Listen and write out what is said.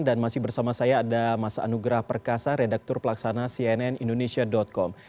dan masih bersama saya ada mas anugrah perkasa redaktur pelaksana cnn indonesia com